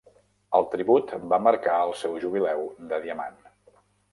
El tribut va marcar el seu Jubileu de diamant.